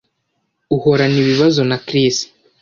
Uhorana ibibazo na Chris